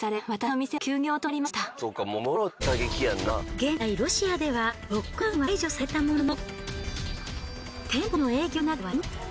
現在ロシアではロックダウンは解除されたものの。